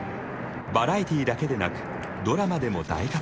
バラエティーだけでなくドラマでも大活躍。